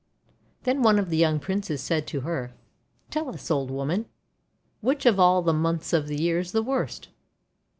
Then one of the young Princes said to her, "Tell us, Old Woman, which of all the Months of the year is the worst."